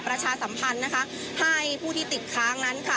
ประชาสัมพันธ์นะคะให้ผู้ที่ติดค้างนั้นค่ะ